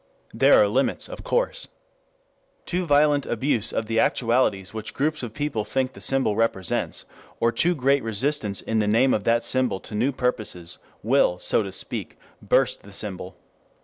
There are limits, of course. Too violent abuse of the actualities which groups of people think the symbol represents, or too great resistance in the name of that symbol to new purposes, will, so to speak, burst the symbol.